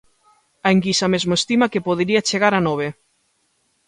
A enquisa mesmo estima que podería chegar a nove.